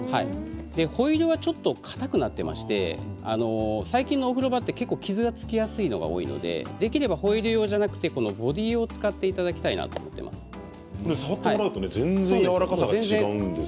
ホイール用はちょっとかたくなっていまして最近のお風呂場って結構傷がつきやすいのが多いのでできればホイール用ではなくてボディー用を使っていただきたい触ってもらうと全然やわらかさが違うんです。